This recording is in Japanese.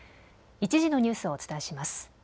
１時のニュースをお伝えします。